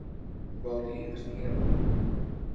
Vol dir “estiguin a punt”.